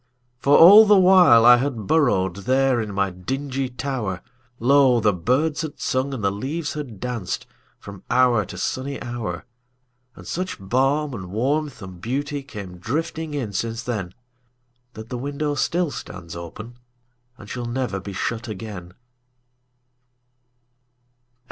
For all the while I had burrowedThere in my dingy tower, Lo! the birds had sung and the leaves had dancedFrom hour to sunny hour. And such balm and warmth and beautyCame drifting in since then, That the window still stands openAnd shall never be shut again.